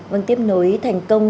vâng tiếp nối thành công